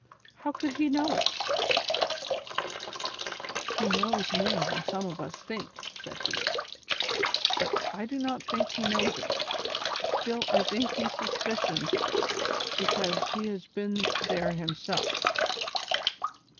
"How could he know it ?"" He knows more than some of us think," said he ;" but THE CONSPIRATORS AND LOVERS. 207 I do not think he knows it, still I think he suspicions it ; because he has been there himself."